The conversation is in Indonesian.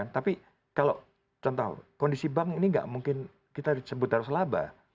tapi kalau contoh kondisi bank ini nggak mungkin kita sebut harus laba